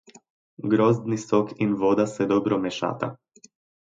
Grozdni sok in voda se dobro mešata.